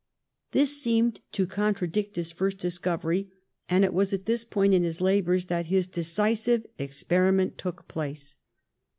This seemed to contradict his first discovery, and it was at this point in his labours that his de cisive experiment took place.